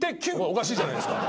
おかしいじゃないですか。